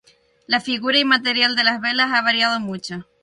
La figura y material de las velas ha variado mucho.